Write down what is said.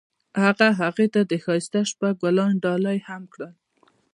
هغه هغې ته د ښایسته شپه ګلان ډالۍ هم کړل.